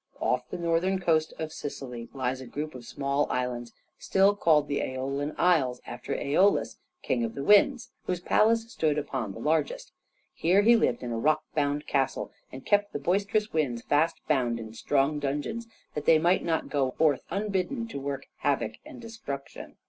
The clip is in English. Off the northerncoast of Sicily lies a group of small islands, still called the Æolian Isles, after Æolus, king of the winds, whose palace stood upon the largest. Here he lived in a rock bound castle, and kept the boisterous winds fast bound in strong dungeons, that they might not go forth unbidden to work havoc and destruction.